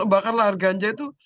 kalau bakar lahan ganja itu